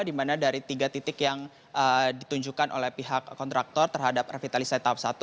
dimana dari tiga titik yang ditunjukkan oleh pihak kontraktor terhadap revitalisasi tahap satu